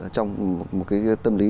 trong một cái tâm lý